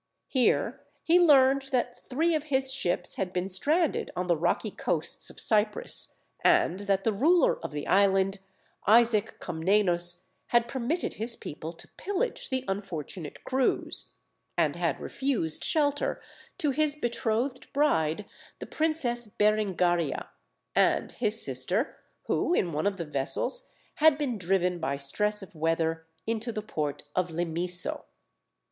Here he learned that three of his ships had been stranded on the rocky coasts of Cyprus, and that the ruler of the island, Isaac Comnenus, had permitted his people to pillage the unfortunate crews, and had refused shelter to his betrothed bride, the Princess Berengaria, and his sister, who, in one of the vessels, had been driven by stress of weather into the port of Limisso.